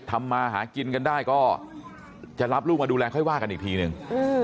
ทำมาหากินกันได้ก็จะรับลูกมาดูแลค่อยว่ากันอีกทีหนึ่ง